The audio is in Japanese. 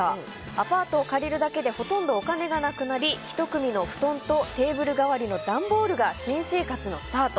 アパートを借りるだけでほとんどお金がなくなり１組の布団とテーブル代わりの段ボールが新生活のスタート。